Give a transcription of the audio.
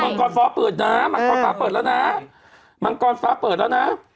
กรฟ้าเปิดนะมังกรฟ้าเปิดแล้วนะมังกรฟ้าเปิดแล้วนะ